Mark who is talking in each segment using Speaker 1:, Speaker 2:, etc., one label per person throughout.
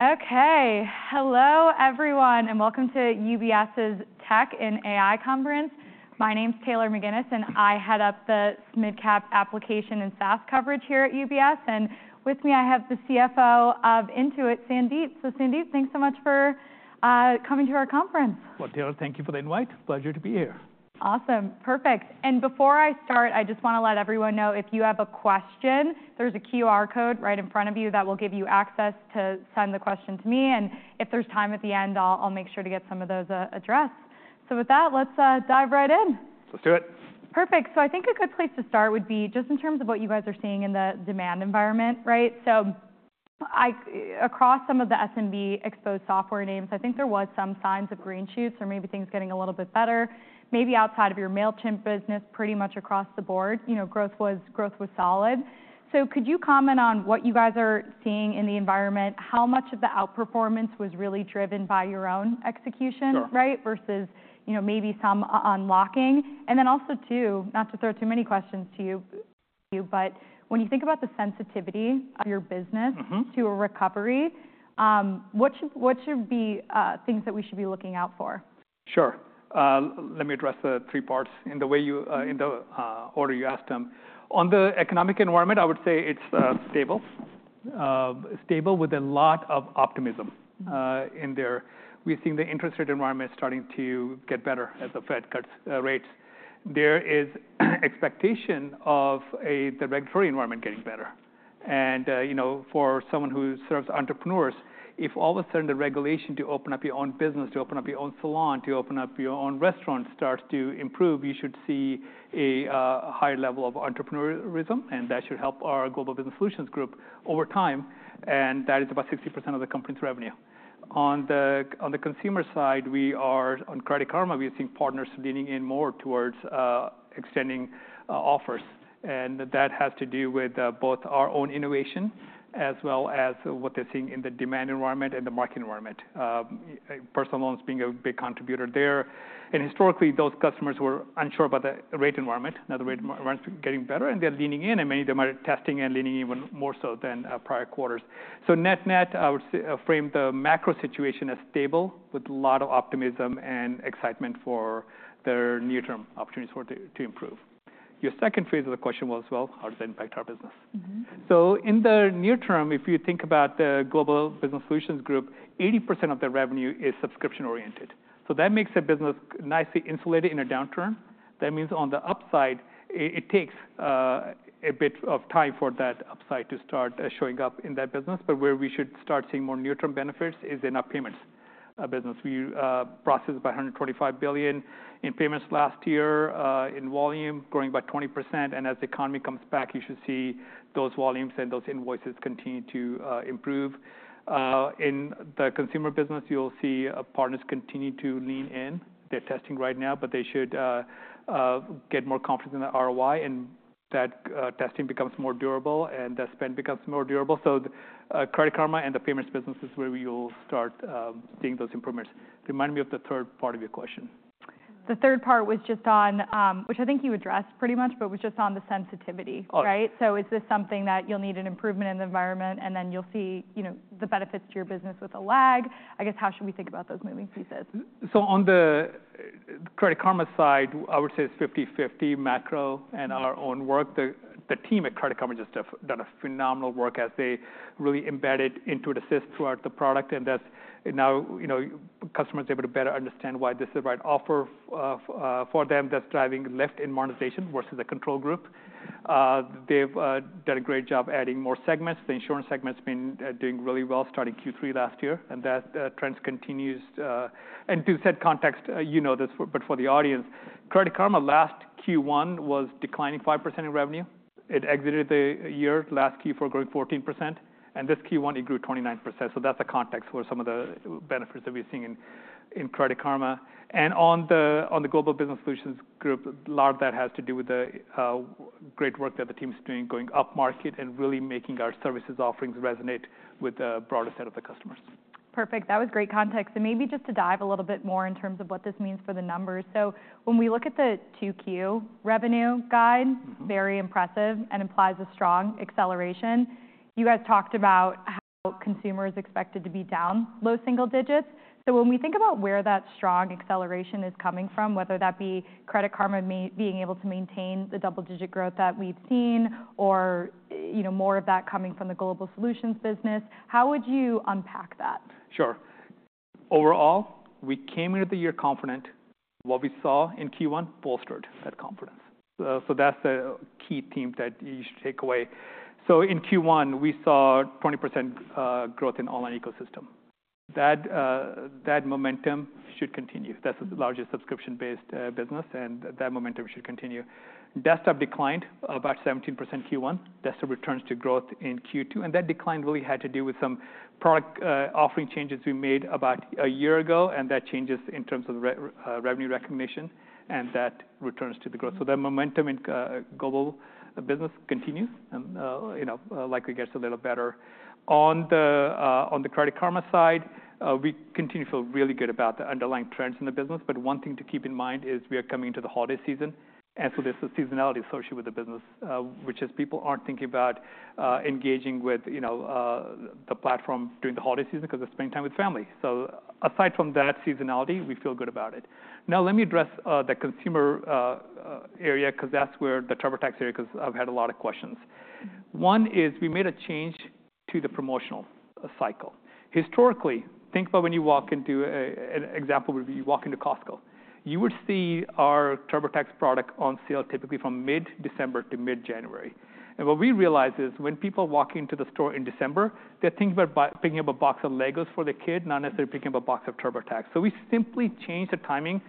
Speaker 1: Okay, hello everyone and welcome to UBS's Tech in AI Conference. My name's Taylor McGinnis and I head up the SMID-cap application and SaaS coverage here at UBS. And with me I have the CFO of Intuit, Sandeep. So Sandeep, thanks so much for coming to our conference.
Speaker 2: Taylor, thank you for the invite. Pleasure to be here.
Speaker 1: Awesome. Perfect. And before I start, I just want to let everyone know if you have a question, there's a QR code right in front of you that will give you access to send the question to me. And if there's time at the end, I'll make sure to get some of those addressed. So with that, let's dive right in.
Speaker 2: Let's do it.
Speaker 1: Perfect. So I think a good place to start would be just in terms of what you guys are seeing in the demand environment, right? So across some of the SMB exposed software names, I think there were some signs of green shoots or maybe things getting a little bit better. Maybe outside of your Mailchimp business, pretty much across the board, you know, growth was solid. So could you comment on what you guys are seeing in the environment? How much of the outperformance was really driven by your own execution, right? Versus maybe some unlocking. And then also too, not to throw too many questions to you, but when you think about the sensitivity of your business to a recovery, what should be things that we should be looking out for?
Speaker 2: Sure. Let me address the three parts in the way you, in the order you asked them. On the economic environment, I would say it's stable. Stable with a lot of optimism in there. We're seeing the interest rate environment starting to get better as the Fed cuts rates. There is expectation of the regulatory environment getting better. And for someone who serves entrepreneurs, if all of a sudden the regulation to open up your own business, to open up your own salon, to open up your own restaurant starts to improve, you should see a higher level of entrepreneurism, and that should help our Global Business Solutions Group over time. And that is about 60% of the company's revenue. On the consumer side, we are on Credit Karma, we are seeing partners leaning in more towards extending offers. That has to do with both our own innovation as well as what they're seeing in the demand environment and the market environment. Personal loans being a big contributor there. Historically, those customers were unsure about the rate environment. Now the rate environment's getting better and they're leaning in, and many of them are testing and leaning in even more so than prior quarters. So net net, I would frame the macro situation as stable with a lot of optimism and excitement for their near-term opportunities to improve. Your second phase of the question was, well, how does that impact our business? So in the near term, if you think about the Global Business Solutions Group, 80% of their revenue is subscription oriented. So that makes their business nicely insulated in a downturn. That means on the upside, it takes a bit of time for that upside to start showing up in that business, but where we should start seeing more near-term benefits is in our payments business. We processed about $125 billion in payments last year in volume, growing by 20%, and as the economy comes back, you should see those volumes and those invoices continue to improve. In the consumer business, you'll see partners continue to lean in. They're testing right now, but they should get more confidence in the ROI and that testing becomes more durable and the spend becomes more durable, so Credit Karma and the payments business is where we will start seeing those improvements. Remind me of the third part of your question.
Speaker 1: The third part was just on, which I think you addressed pretty much, but was just on the sensitivity, right? So is this something that you'll need an improvement in the environment and then you'll see the benefits to your business with a lag? I guess how should we think about those moving pieces?
Speaker 2: So on the Credit Karma side, I would say it's 50/50 macro and our own work. The team at Credit Karma just have done phenomenal work as they really embedded Intuit Assist throughout the product. And now customers are able to better understand why this is the right offer for them that's driving lift in monetization versus a control group. They've done a great job adding more segments. The insurance segment's been doing really well starting Q3 last year. And that trend continues. And to set context, you know this, but for the audience, Credit Karma last Q1 was declining 5% in revenue. It exited the year last Q4 growing 14%. And this Q1, it grew 29%. So that's the context for some of the benefits that we're seeing in Credit Karma. On the Global Business Solutions Group, a lot of that has to do with the great work that the team's doing, going up market and really making our services offerings resonate with the broader set of the customers.
Speaker 1: Perfect. That was great context. And maybe just to dive a little bit more in terms of what this means for the numbers. So when we look at the Q2 revenue guide, very impressive and implies a strong acceleration. You guys talked about how consumers expected to be down low single digits. So when we think about where that strong acceleration is coming from, whether that be Credit Karma being able to maintain the double digit growth that we've seen or more of that coming from the Global Solutions business, how would you unpack that?
Speaker 2: Sure. Overall, we came into the year confident. What we saw in Q1 bolstered that confidence, so that's the key theme that you should take away, so in Q1, we saw 20% growth in online ecosystem. That momentum should continue. That's the largest subscription-based business and that momentum should continue. Desktop declined about 17% Q1. Desktop returns to growth in Q2, and that decline really had to do with some product offering changes we made about a year ago, and that changes in terms of revenue recognition and that returns to the growth, so that momentum in global business continues and likely gets a little better. On the Credit Karma side, we continue to feel really good about the underlying trends in the business, but one thing to keep in mind is we are coming into the holiday season. So there's the seasonality associated with the business, which is people aren't thinking about engaging with the platform during the holiday season because they're spending time with family. So aside from that seasonality, we feel good about it. Now let me address the consumer area because that's where the TurboTax area. I've had a lot of questions. One is we made a change to the promotional cycle. Historically, think about when you walk into, an example would be you walk into Costco. You would see our TurboTax product on sale typically from mid-December to mid-January. And what we realized is when people walk into the store in December, they're thinking about picking up a box of Legos for their kid, not necessarily picking up a box of TurboTax. So we simply changed the timing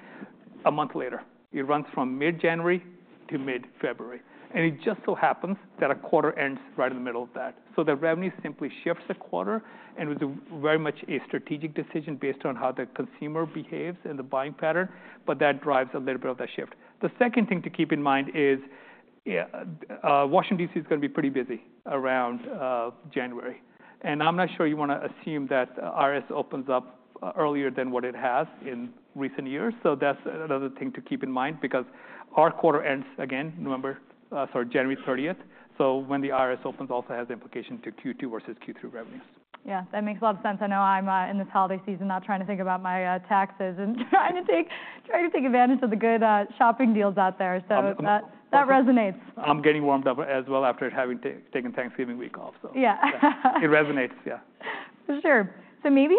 Speaker 2: a month later. It runs from mid-January to mid-February. And it just so happens that a quarter ends right in the middle of that. So the revenue simply shifts a quarter, and it was very much a strategic decision based on how the consumer behaves and the buying pattern. But that drives a little bit of that shift. The second thing to keep in mind is Washington, D.C. is going to be pretty busy around January. And I'm not sure you want to assume that IRS opens up earlier than what it has in recent years. So that's another thing to keep in mind because our quarter ends again, November, sorry, January 30th. So when the IRS opens also has implications to Q2 versus Q3 revenues.
Speaker 1: Yeah, that makes a lot of sense. I know I'm in this holiday season now trying to think about my taxes and trying to take advantage of the good shopping deals out there. So that resonates.
Speaker 2: I'm getting warmed up as well after having taken Thanksgiving week off. So it resonates, yeah.
Speaker 1: For sure. So maybe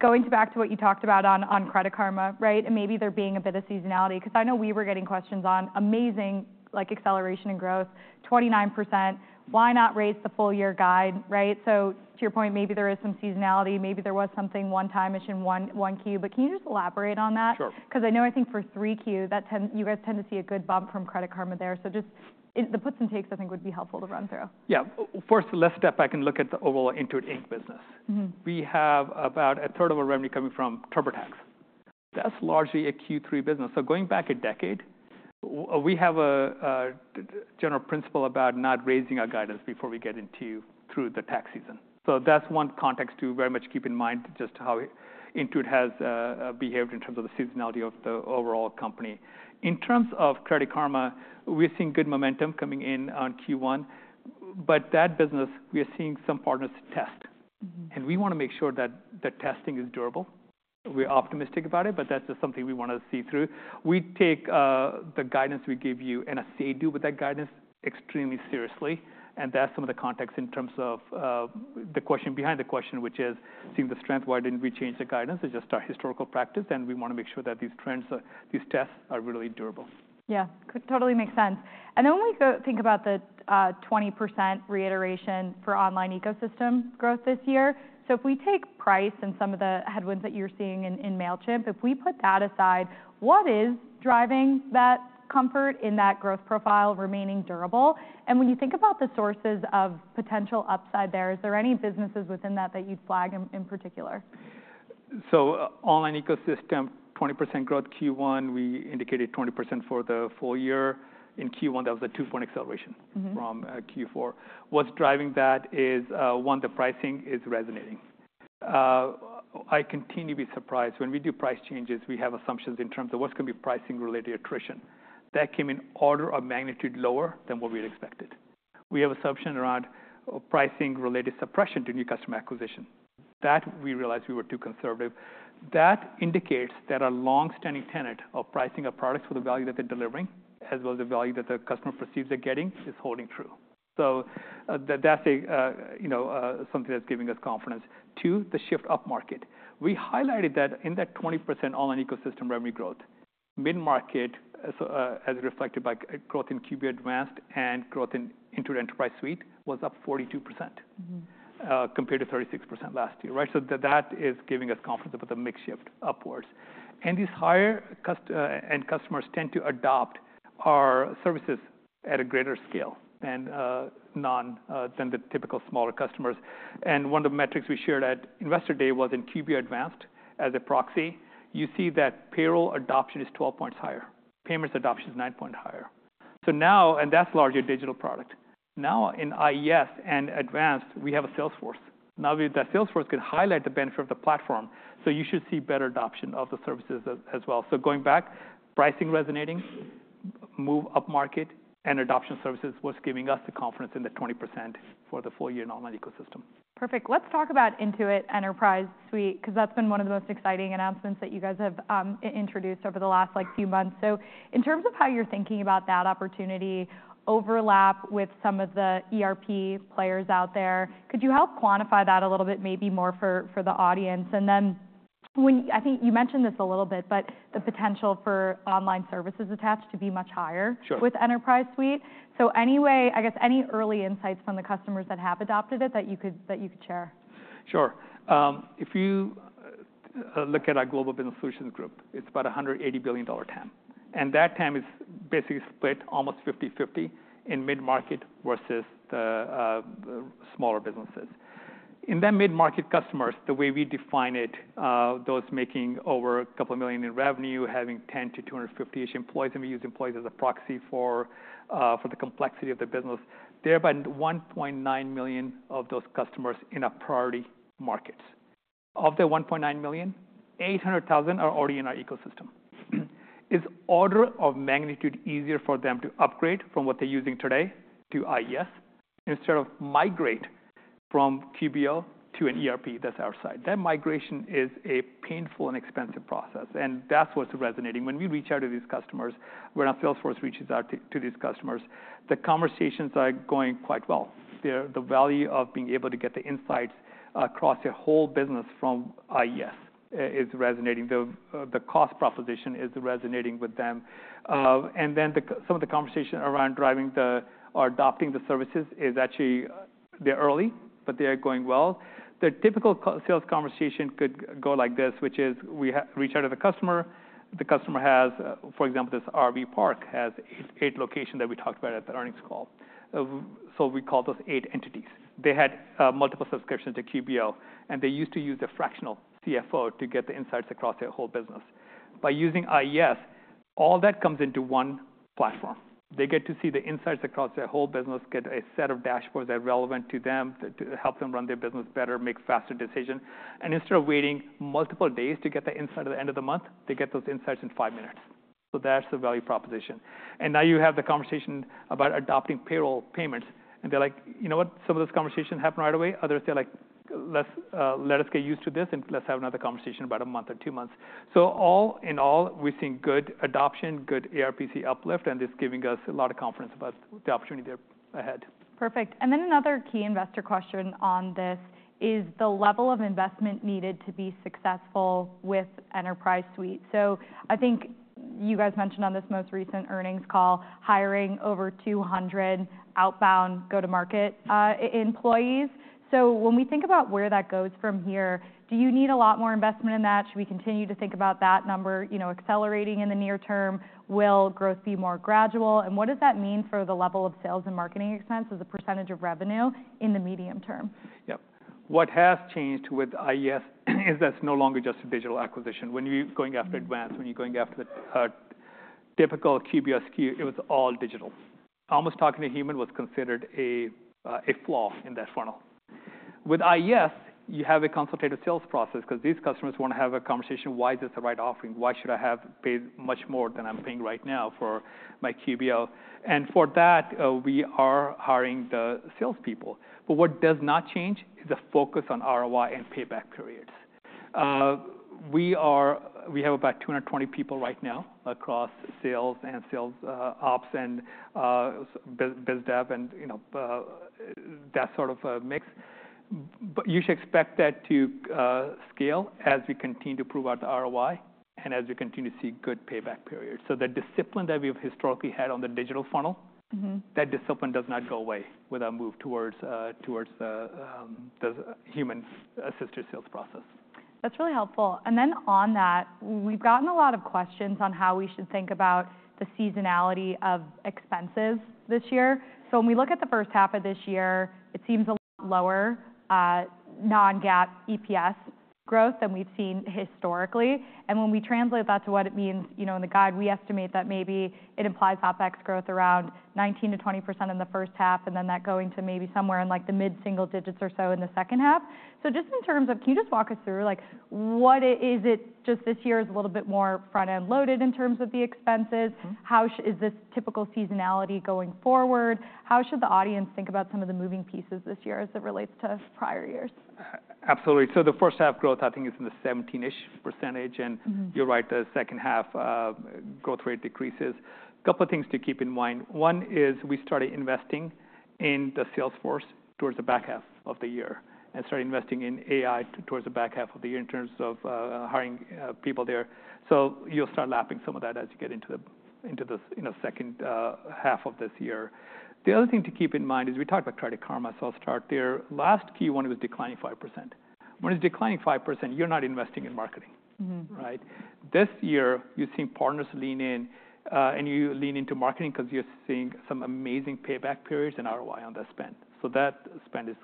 Speaker 1: going back to what you talked about on Credit Karma, right? And maybe there being a bit of seasonality because I know we were getting questions on amazing acceleration and growth, 29%. Why not raise the full year guide, right? So to your point, maybe there is some seasonality, maybe there was something one-time issue in Q1. But can you just elaborate on that? Because I know I think for Q3, you guys tend to see a good bump from Credit Karma there. So just the puts and takes I think would be helpful to run through.
Speaker 2: Yeah. First, let's step back and look at the overall Intuit Inc business. We have about a third of our revenue coming from TurboTax. That's largely a Q3 business, so going back a decade, we have a general principle about not raising our guidance before we get into through the tax season. That's one context to very much keep in mind just how Intuit has behaved in terms of the seasonality of the overall company. In terms of Credit Karma, we're seeing good momentum coming in on Q1, but that business, we are seeing some partners test. And we want to make sure that the testing is durable. We're optimistic about it, but that's just something we want to see through. We take the guidance we give you and say do with that guidance extremely seriously. That's some of the context in terms of the question behind the question, which is seeing the strength, why didn't we change the guidance? It's just our historical practice. We want to make sure that these trends, these tests are really durable.
Speaker 1: Yeah, totally makes sense. And then when we think about the 20% reiteration for Online Ecosystem growth this year. So if we take price and some of the headwinds that you're seeing in Mailchimp, if we put that aside, what is driving that comfort in that growth profile remaining durable? And when you think about the sources of potential upside there, is there any businesses within that that you'd flag in particular?
Speaker 2: So, Online Ecosystem, 20% growth Q1, we indicated 20% for the full year. In Q1, that was a two-point acceleration from Q4. What's driving that is one, the pricing is resonating. I continue to be surprised when we do price changes, we have assumptions in terms of what's going to be pricing-related attrition. That came in an order of magnitude lower than what we had expected. We have assumption around pricing-related suppression to new customer acquisition. That we realized we were too conservative. That indicates that our longstanding tenet of pricing our products for the value that they're delivering, as well as the value that the customer perceives they're getting, is holding true. So that's something that's giving us confidence. Two, the shift up market. We highlighted that in that 20% Online Ecosystem revenue growth, mid-market, as reflected by growth in QB Advanced and growth in Intuit Enterprise Suite was up 42% compared to 36% last year, right? So that is giving us confidence about the mix shift upwards. And these higher end customers tend to adopt our services at a greater scale than the typical smaller customers. And one of the metrics we shared at Investor Day was in QB Advanced as a proxy. You see that payroll adoption is 12 points higher. Payments adoption is nine points higher. So now, and that's largely a digital product. Now in IES and Advanced, we have a Salesforce. Now that Salesforce can highlight the benefit of the platform. So you should see better adoption of the services as well. So going back, pricing resonating, move up market, and adoption services was giving us the confidence in the 20% for the full year in Online Ecosystem.
Speaker 1: Perfect. Let's talk about Intuit Enterprise Suite because that's been one of the most exciting announcements that you guys have introduced over the last few months. So in terms of how you're thinking about that opportunity overlap with some of the ERP players out there, could you help quantify that a little bit maybe more for the audience? And then I think you mentioned this a little bit, but the potential for online services attached to be much higher with Enterprise Suite. So anyway, I guess any early insights from the customers that have adopted it that you could share?
Speaker 2: Sure. If you look at our Global Business Solutions Group, it's about a $180 billion TAM. And that TAM is basically split almost 50/50 in mid-market versus the smaller businesses. In that mid-market customers, the way we define it, those making over a couple of million in revenue, having 10 to 250-ish employees, and we use employees as a proxy for the complexity of the business, they're about 1.9 million of those customers in a priority market. Of the 1.9 million, 800,000 are already in our ecosystem. It's an order of magnitude easier for them to upgrade from what they're using today to IES instead of migrate from QBO to an ERP that's outside. That migration is a painful and expensive process. And that's what's resonating. When we reach out to these customers, when our sales force reaches out to these customers, the conversations are going quite well. The value of being able to get the insights across a whole business from IES is resonating. The cost proposition is resonating with them, and then some of the conversation around driving the or adopting the services is actually they're early, but they're going well. The typical sales conversation could go like this, which is we reach out to the customer. The customer has, for example, this RV Park has eight locations that we talked about at the earnings call, so we call those eight entities. They had multiple subscriptions to QBO, and they used to use a fractional CFO to get the insights across their whole business. By using IES, all that comes into one platform. They get to see the insights across their whole business, get a set of dashboards that are relevant to them to help them run their business better, make faster decisions. And instead of waiting multiple days to get the insight at the end of the month, they get those insights in five minutes. So that's the value proposition. And now you have the conversation about adopting payroll payments. And they're like, you know what, some of this conversation happened right away. Others they're like, let us get used to this and let's have another conversation about a month or two months. So all in all, we're seeing good adoption, good ARPC uplift, and it's giving us a lot of confidence about the opportunity ahead.
Speaker 1: Perfect. And then another key investor question on this is the level of investment needed to be successful with Enterprise Suite. So I think you guys mentioned on this most recent earnings call, hiring over 200 outbound go-to-market employees. So when we think about where that goes from here, do you need a lot more investment in that? Should we continue to think about that number accelerating in the near term? Will growth be more gradual? And what does that mean for the level of sales and marketing expense as a percentage of revenue in the medium term?
Speaker 2: Yep. What has changed with IES is that's no longer just a digital acquisition. When you're going after advanced, when you're going after typical QBO SKU, it was all digital. Almost talking to human was considered a flaw in that funnel. With IES, you have a consultative sales process because these customers want to have a conversation, why is this the right offering? Why should I have paid much more than I'm paying right now for my QBO? And for that, we are hiring the salespeople. But what does not change is the focus on ROI and payback periods. We have about 220 people right now across sales and sales ops and biz dev and that sort of mix. But you should expect that to scale as we continue to prove out the ROI and as we continue to see good payback periods. The discipline that we've historically had on the digital funnel, that discipline does not go away with our move towards the human assisted sales process.
Speaker 1: That's really helpful, and then on that, we've gotten a lot of questions on how we should think about the seasonality of expenses this year, so when we look at the H1 of this year, it seems a lot lower Non-GAAP EPS growth than we've seen historically, and when we translate that to what it means in the guide, we estimate that maybe it implies OpEx growth around 19%-20% in the H1 and then that going to maybe somewhere in like the mid-single digits or so in the H2, so just in terms of, can you just walk us through what it is? Just this year is a little bit more front-end loaded in terms of the expenses. How is this typical seasonality going forward? How should the audience think about some of the moving pieces this year as it relates to prior years?
Speaker 2: Absolutely. So the H1 of growth, I think it's in the 17-ish%. And you're right, the H2 growth rate decreases. A couple of things to keep in mind. One is we started investing in Salesforce towards the back half of the year and started investing in AI towards the H2 of the year in terms of hiring people there. So you'll start lapping some of that as you get into the H2 of this year. The other thing to keep in mind is we talked about Credit Karma, so I'll start there. Last Q1 was declining 5%. When it's declining 5%, you're not investing in marketing, right? This year, you're seeing partners lean in and you lean into marketing because you're seeing some amazing payback periods and ROI on that spend. So that spend is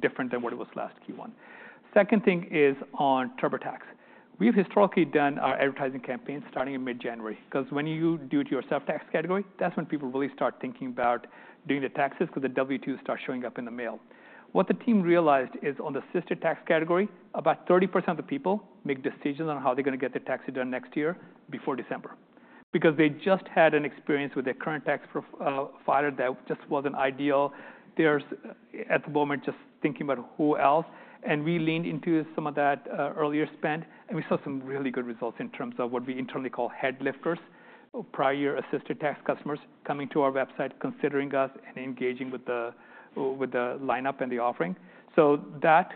Speaker 2: different than what it was last Q1. Second thing is on TurboTax. We've historically done our advertising campaigns starting in mid-January because when you do it yourself tax category, that's when people really start thinking about doing the taxes because the W-2s start showing up in the mail. What the team realized is on the assisted tax category, about 30% of the people make decisions on how they're going to get their taxes done next year before December because they just had an experience with their current tax filer that just wasn't ideal. They're at the moment just thinking about who else. And we leaned into some of that earlier spend. And we saw some really good results in terms of what we internally call headlifters, prior year assisted tax customers coming to our website, considering us and engaging with the lineup and the offering. So that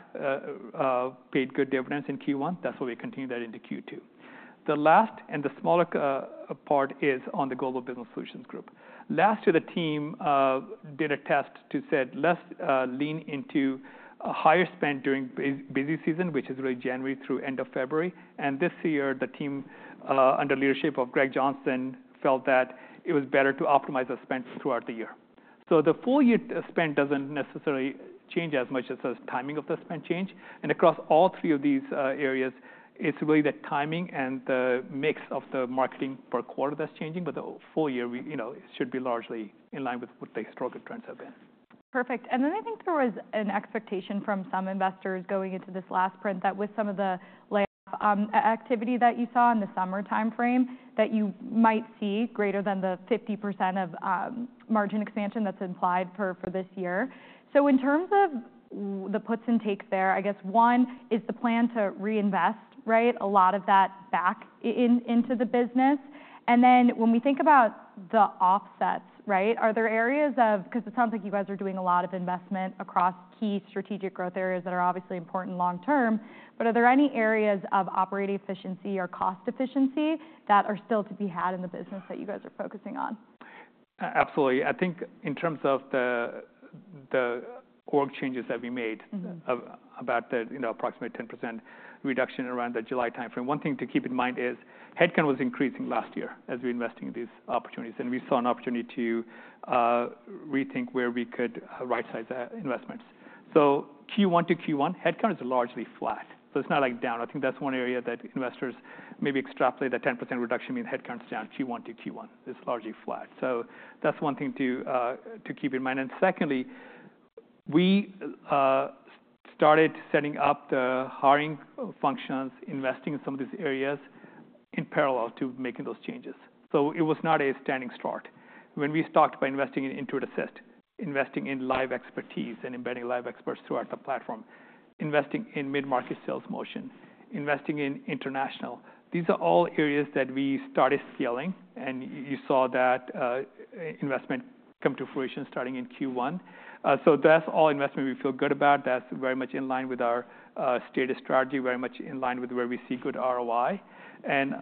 Speaker 2: paid good dividends in Q1. That's why we continued that into Q2. The last and the smaller part is on the Global Business Solutions Group. Last year, the team did a test to say, let's lean into a higher spend during busy season, which is really January through end of February, and this year, the team under leadership of Greg Johnson felt that it was better to optimize the spend throughout the year. So the full year spend doesn't necessarily change as much as the timing of the spend change, and across all three of these areas, it's really the timing and the mix of the marketing per quarter that's changing, but the full year should be largely in line with what the historical trends have been.
Speaker 1: Perfect. And then I think there was an expectation from some investors going into this last print that with some of the layoff activity that you saw in the summer timeframe, that you might see greater than the 50% of margin expansion that's implied for this year. So in terms of the puts and takes there, I guess one is the plan to reinvest, right? A lot of that back into the business. And then when we think about the offsets, right? Are there areas of, because it sounds like you guys are doing a lot of investment across key strategic growth areas that are obviously important long term, but are there any areas of operating efficiency or cost efficiency that are still to be had in the business that you guys are focusing on?
Speaker 2: Absolutely. I think in terms of the org changes that we made about the approximate 10% reduction around the July timeframe, one thing to keep in mind is headcount was increasing last year as we were investing in these opportunities. And we saw an opportunity to rethink where we could right-size our investments. So Q1 to Q1, headcount is largely flat. So it's not like down. I think that's one area that investors maybe extrapolate that 10% reduction means headcount is down. Q1 to Q1 is largely flat. So that's one thing to keep in mind. And secondly, we started setting up the hiring functions, investing in some of these areas in parallel to making those changes. So it was not a standing start. When we started by investing in Intuit Assist, investing in live expertise and embedding live experts throughout the platform, investing in mid-market sales motion, investing in international, these are all areas that we started scaling, and you saw that investment come to fruition starting in Q1, so that's all investment we feel good about. That's very much in line with our stated strategy, very much in line with where we see good ROI, and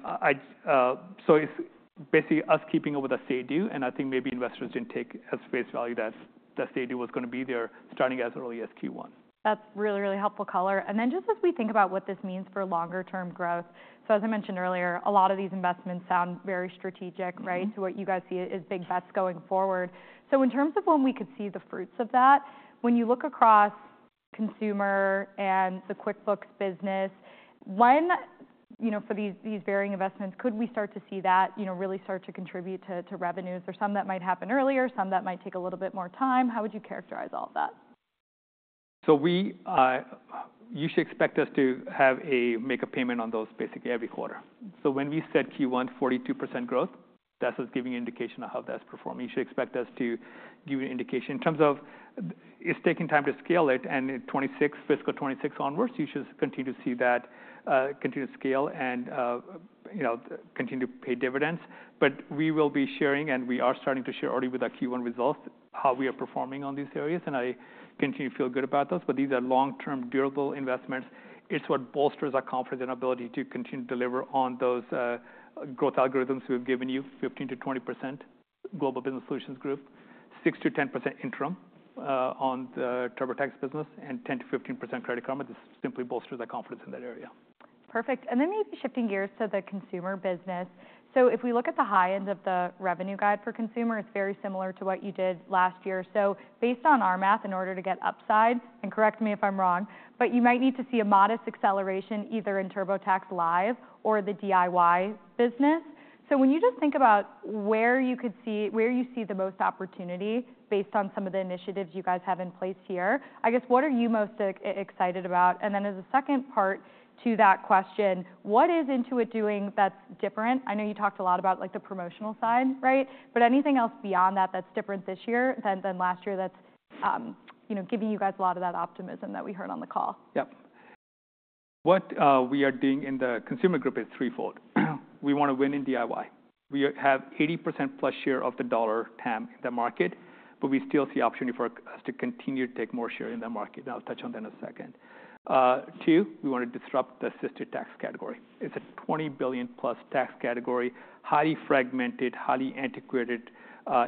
Speaker 2: so it's basically us keeping up with the say-do, and I think maybe investors didn't take as face value that the say-do was going to be there starting as early as Q1.
Speaker 1: That's really, really helpful color. And then just as we think about what this means for longer-term growth, so as I mentioned earlier, a lot of these investments sound very strategic, right? So what you guys see is big bets going forward. So in terms of when we could see the fruits of that, when you look across consumer and the QuickBooks business, when for these varying investments, could we start to see that really start to contribute to revenues? There's some that might happen earlier, some that might take a little bit more time. How would you characterize all of that?
Speaker 2: So you should expect us to make a payment on those basically every quarter. So when we said Q1, 42% growth, that's us giving an indication of how that's performing. You should expect us to give an indication in terms of it's taking time to scale it. And fiscal 2026 onwards, you should continue to see that continue to scale and continue to pay dividends. But we will be sharing, and we are starting to share already with our Q1 results, how we are performing on these areas. And I continue to feel good about those. But these are long-term, durable investments. It's what bolsters our confidence and ability to continue to deliver on those growth algorithms we've given you, 15%-20% Global Business Solutions Group, 6%-10% interim on the TurboTax business, and 10%-15% Credit Karma. This simply bolsters our confidence in that area.
Speaker 1: Perfect. And then maybe shifting gears to the consumer business. So if we look at the high end of the revenue guide for consumer, it's very similar to what you did last year. So based on our math, in order to get upside, and correct me if I'm wrong, but you might need to see a modest acceleration either in TurboTax Live or the DIY business. So when you just think about where you see the most opportunity based on some of the initiatives you guys have in place here, I guess what are you most excited about? And then as a second part to that question, what is Intuit doing that's different? I know you talked a lot about the promotional side, right? But anything else beyond that that's different this year than last year that's giving you guys a lot of that optimism that we heard on the call?
Speaker 2: Yep. What we are doing in the consumer group is threefold. We want to win in DIY. We have 80% plus share of the dollar TAM in the market, but we still see opportunity for us to continue to take more share in the market. And I'll touch on that in a second. Two, we want to disrupt the assisted tax category. It's a $20 billion plus tax category, highly fragmented, highly antiquated,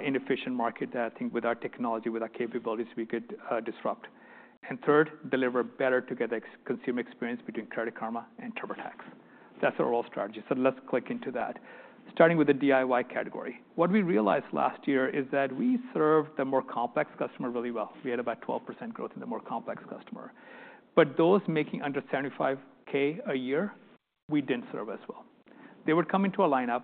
Speaker 2: inefficient market that I think with our technology, with our capabilities, we could disrupt. And third, deliver better together consumer experience between Credit Karma and TurboTax. That's our overall strategy. So let's click into that. Starting with the DIY category. What we realized last year is that we served the more complex customer really well. We had about 12% growth in the more complex customer. But those making under 75K a year, we didn't serve as well. They would come into a lineup,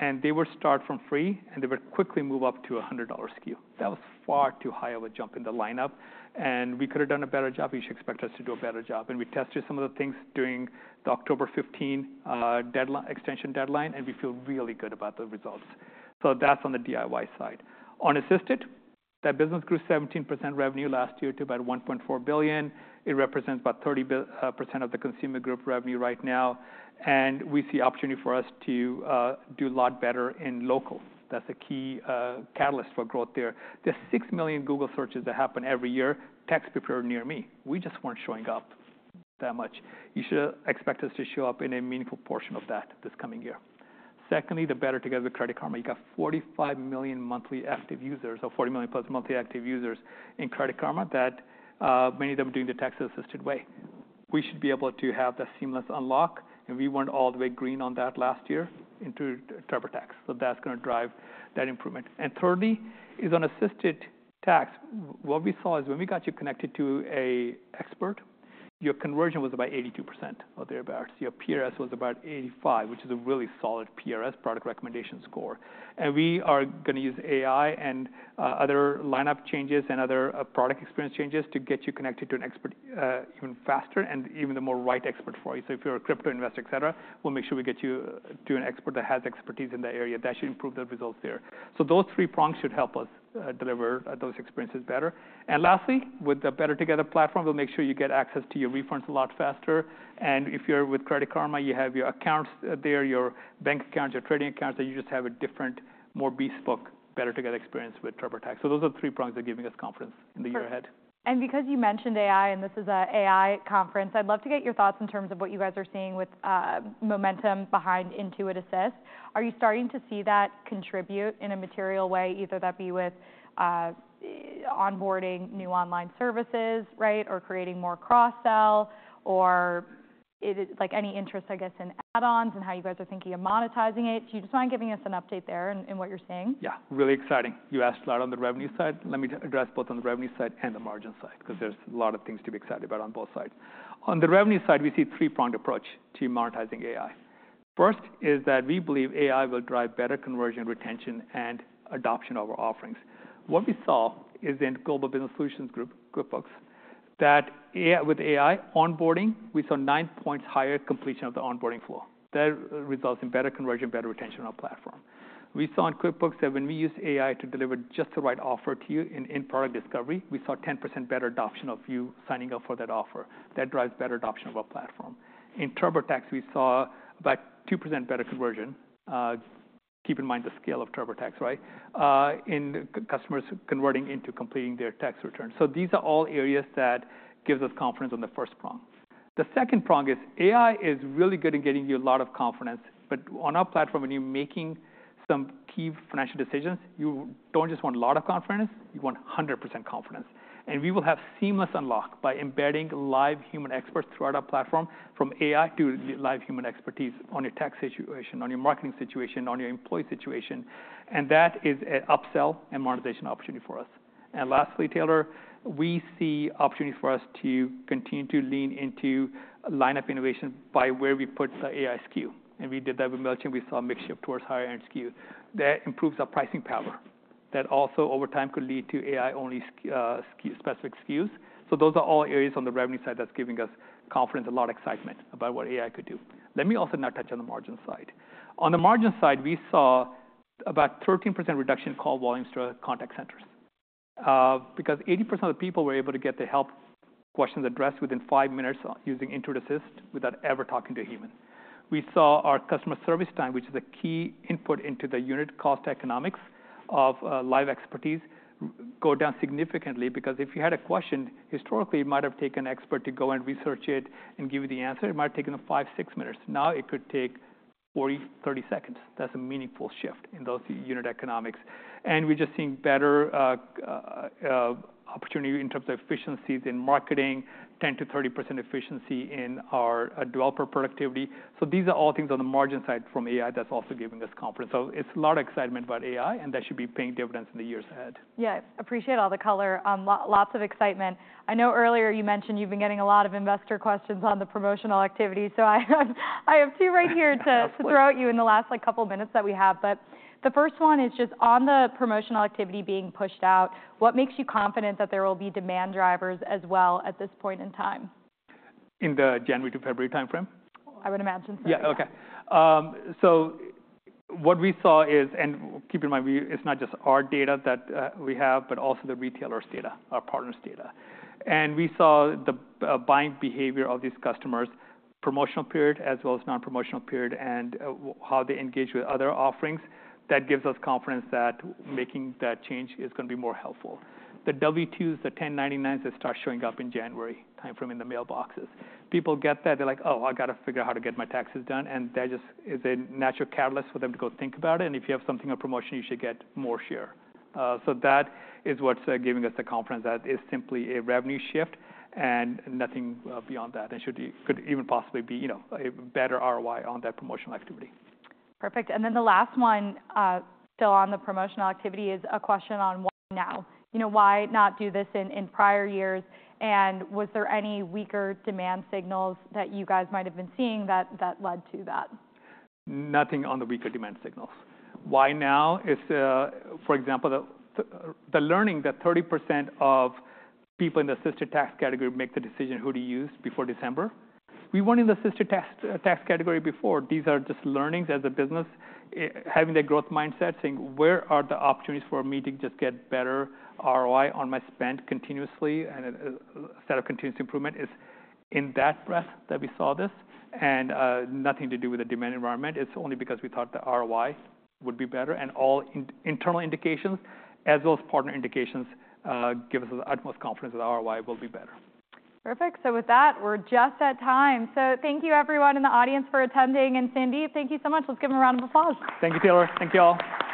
Speaker 2: and they would start from free, and they would quickly move up to a $100 SKU. That was far too high of a jump in the lineup. And we could have done a better job. You should expect us to do a better job. And we tested some of the things during the October 15 extension deadline, and we feel really good about the results. So that's on the DIY side. On assisted, that business grew 17% revenue last year to about $1.4 billion. It represents about 30% of the consumer group revenue right now. And we see opportunity for us to do a lot better in local. That's a key catalyst for growth there. There's six million Google searches that happen every year, tax preparer near me. We just weren't showing up that much. You should expect us to show up in a meaningful portion of that this coming year. Secondly, the Better Together with Credit Karma. You got 45 million monthly active users or 40 million plus monthly active users in Credit Karma, many of them doing the tax assisted way. We should be able to have that seamless unlock, and we weren't all the way green on that last year into TurboTax, so that's going to drive that improvement, and thirdly, is on assisted tax. What we saw is when we got you connected to an expert, your conversion was about 82% or thereabouts. Your PRS was about 85%, which is a really solid PRS, product recommendation score, and we are going to use AI and other lineup changes and other product experience changes to get you connected to an expert even faster and even the more right expert for you. So if you're a crypto investor, etc., we'll make sure we get you to an expert that has expertise in the area. That should improve the results there. So those three prongs should help us deliver those experiences better. And lastly, with the Better Together platform, we'll make sure you get access to your refunds a lot faster. And if you're with Credit Karma, you have your accounts there, your bank accounts, your trading accounts, and you just have a different, more best-look Better Together experience with TurboTax. So those are the three prongs that are giving us confidence in the year ahead.
Speaker 1: And because you mentioned AI, and this is an AI conference, I'd love to get your thoughts in terms of what you guys are seeing with momentum behind Intuit Assist. Are you starting to see that contribute in a material way, either that be with onboarding new online services, right, or creating more cross-sell, or any interest, I guess, in add-ons and how you guys are thinking of monetizing it? Do you just mind giving us an update there in what you're seeing?
Speaker 2: Yeah, really exciting. You asked a lot on the revenue side. Let me address both on the revenue side and the margin side because there's a lot of things to be excited about on both sides. On the revenue side, we see a three-pronged approach to monetizing AI. First is that we believe AI will drive better conversion, retention, and adoption of our offerings. What we saw is in Global Business Solutions Group, QuickBooks, that with AI onboarding, we saw nine points higher completion of the onboarding flow. That results in better conversion, better retention on our platform. We saw in QuickBooks that when we use AI to deliver just the right offer to you in in-product discovery, we saw 10% better adoption of you signing up for that offer. That drives better adoption of our platform. In TurboTax, we saw about 2% better conversion. Keep in mind the scale of TurboTax, right, in customers converting into completing their tax return. So these are all areas that give us confidence on the first prong. The second prong is AI is really good in getting you a lot of confidence. But on our platform, when you're making some key financial decisions, you don't just want a lot of confidence. You want 100% confidence. And we will have seamless unlock by embedding live human experts throughout our platform from AI to live human expertise on your tax situation, on your marketing situation, on your employee situation. And that is an upsell and monetization opportunity for us. And lastly, Taylor, we see opportunity for us to continue to lean into lineup innovation by where we put the AI SKU. And we did that with Mailchimp. We saw a mixture of towards higher-end SKU. That improves our pricing power. That also, over time, could lead to AI-only specific SKUs. So those are all areas on the revenue side that's giving us confidence, a lot of excitement about what AI could do. Let me also now touch on the margin side. On the margin side, we saw about 13% reduction in call volumes to our contact centers because 80% of the people were able to get their help questions addressed within five minutes using Intuit Assist without ever talking to a human. We saw our customer service time, which is a key input into the unit cost economics of live expertise, go down significantly because if you had a question, historically, it might have taken an expert to go and research it and give you the answer. It might have taken five, six minutes. Now it could take 40, 30 seconds. That's a meaningful shift in those unit economics. We're just seeing better opportunity in terms of efficiencies in marketing, 10%-30% efficiency in our developer productivity. So these are all things on the margin side from AI that's also giving us confidence. So it's a lot of excitement about AI, and that should be paying dividends in the years ahead.
Speaker 1: Yeah, I appreciate all the color. Lots of excitement. I know earlier you mentioned you've been getting a lot of investor questions on the promotional activity. So I have two right here to throw at you in the last couple of minutes that we have. But the first one is just on the promotional activity being pushed out. What makes you confident that there will be demand drivers as well at this point in time?
Speaker 2: In the January to February timeframe?
Speaker 1: I would imagine so.
Speaker 2: Yeah, okay. So what we saw is, and keep in mind, it's not just our data that we have, but also the retailers' data, our partners' data. And we saw the buying behavior of these customers, promotional period as well as non-promotional period, and how they engage with other offerings. That gives us confidence that making that change is going to be more helpful. The W-2s, the 1099s, they start showing up in January timeframe in the mailboxes. People get that. They're like, "Oh, I got to figure out how to get my taxes done." And that just is a natural catalyst for them to go think about it. And if you have something on promotion, you should get more share. So that is what's giving us the confidence that it's simply a revenue shift and nothing beyond that. It could even possibly be a better ROI on that promotional activity.
Speaker 1: Perfect. And then the last one still on the promotional activity is a question on why now. Why not do this in prior years? And was there any weaker demand signals that you guys might have been seeing that led to that?
Speaker 2: Nothing on the weaker demand signals. Why now is, for example, the learning that 30% of people in the assisted tax category make the decision who to use before December. We weren't in the assisted tax category before. These are just learnings as a business, having their growth mindset, saying, "Where are the opportunities for me to just get better ROI on my spend continuously instead of continuous improvement?" It's in that breath that we saw this and nothing to do with the demand environment. It's only because we thought the ROI would be better, and all internal indications, as well as partner indications, give us the utmost confidence that ROI will be better.
Speaker 1: Perfect. So with that, we're just at time. So thank you, everyone in the audience, for attending. And, Sandeep, thank you so much. Let's give them a round of applause.
Speaker 2: Thank you, Taylor. Thank you all.